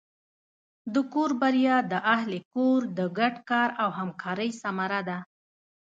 د کور بریا د اهلِ کور د ګډ کار او همکارۍ ثمره ده.